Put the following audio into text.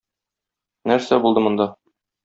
Нәрсә булды монда?